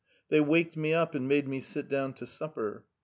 They would wake me up and make me sit down to supper.